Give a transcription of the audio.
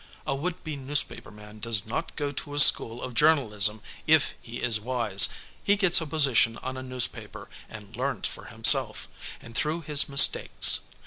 A would be newspaper man does not go to a school of journalism if he is wise; he gets a position on a newspaper and learns for himself, and through his mistakes.